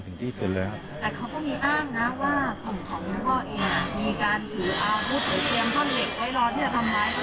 แต่เขาก็มีอ้างนะว่าผลของพ่อเองมีการถึงเอาบุตรกาเซียงพ่อเหล็กไว้รอที่จะทำร้ายตัวเอง